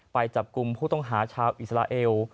ไปจับกลุ่มผู้ต้องหาชาวอิสราเอล